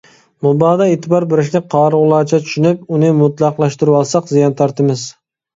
مۇبادا ئېتىبار بېرىشنى قارىغۇلارچە چۈشىنىپ، ئۇنى مۇتلەقلەشتۈرۈۋالساق زىيان تارتىمىز.